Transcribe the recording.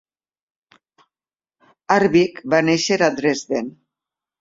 Harbig va néixer a Dresden.